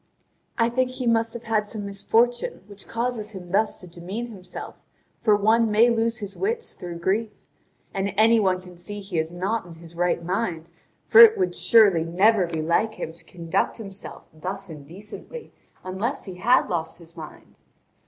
I think he must have had some misfortune, which causes him thus to demean himself, for one may lose his wits through grief. And any one can see that he is not in his right mind, for it would surely never be like him to conduct himself thus indecently unless he had lost his mind.